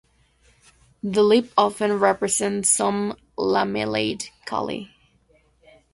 The lip often presents some lamellate calli.